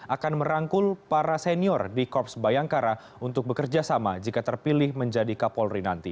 akan merangkul para senior di korps bayangkara untuk bekerja sama jika terpilih menjadi kapolri nanti